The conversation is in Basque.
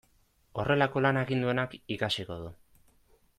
Horrelako lana egin duenak ikasiko du.